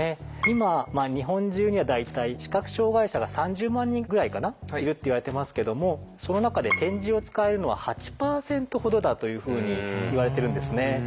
今日本中には大体視覚障害者が３０万人ぐらいかないるっていわれてますけどもその中で点字を使えるのは８％ほどだというふうにいわれてるんですね。